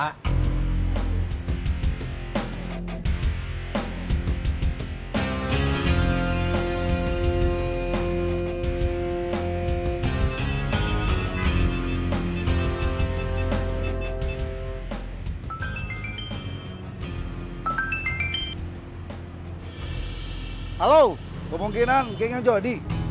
halo kemungkinan gingga jodi